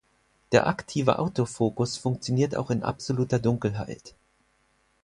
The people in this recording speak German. Der aktive Autofokus funktioniert auch in absoluter Dunkelheit.